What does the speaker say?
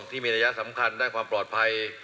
ที่มีระยะสำคัญด้านความปลอดภัย